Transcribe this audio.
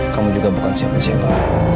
kamu juga bukan siapa siapa